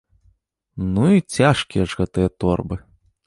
Ну і цяжкія ж гэтыя торбы!